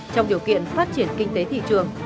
trong điều kiện phát triển kinh tế thị trường